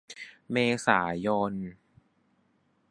เมษายน